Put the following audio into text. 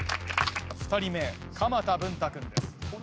２人目鎌田文太君です。